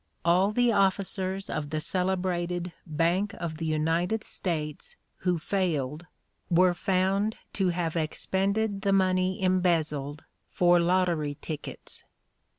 All the officers of the celebrated Bank of the United States who failed were found to have expended the money embezzled for lottery tickets.